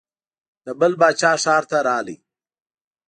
د بل باچا ښار ته راغی.